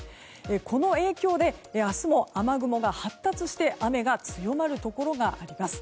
この影響で明日も雨雲が発達して雨が強まるところがあります。